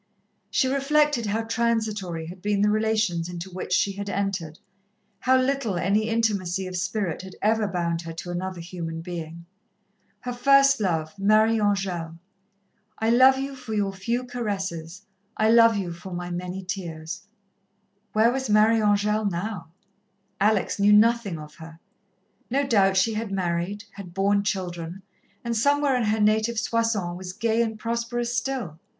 She reflected how transitory had been the relations into which she had entered, how little any intimacy of spirit had ever bound her to another human being. Her first love Marie Angèle: "I love you for your few caresses, I love you for my many tears." Where was Marie Angèle now? Alex knew nothing of her. No doubt she had married, had borne children, and somewhere in her native Soissons was gay and prosperous still.